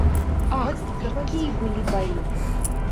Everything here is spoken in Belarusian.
Ах, якія былі баі!